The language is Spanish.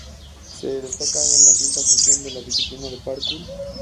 Se destaca en la cinta la función de la disciplina parkour.